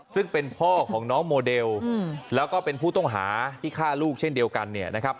ซึ่งเป็นพ่อของน้องโมเดลแล้วก็เป็นผู้ต้องหาที่ฆ่าลูกเช่นเดียวกันเนี่ยนะครับ